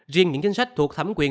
riêng những chính sách thuộc thẩm quyền